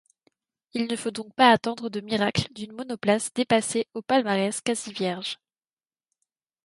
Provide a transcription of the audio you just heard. Il ne faut donc pas attendre de miracle d'une monoplace dépassée au palmarès quasi-vierge.